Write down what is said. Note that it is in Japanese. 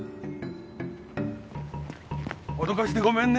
おどかしてごめんね。